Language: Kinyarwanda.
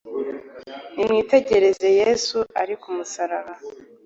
Nimwitegereze Yesu ari ku musaraba